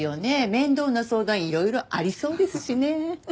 面倒な相談いろいろありそうですしね。